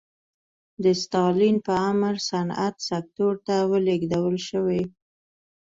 د ستالین په امر صنعت سکتور ته ولېږدول شوې.